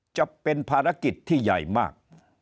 จะเป็นภารกิจที่ใหญ่มาก